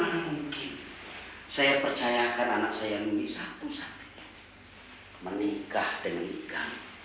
bagaimana mungkin saya percayakan anak saya ini satu satunya menikah dengan nika